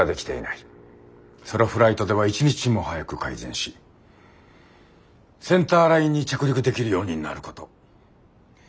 ソロフライトでは一日も早く改善しセンターラインに着陸できるようになること。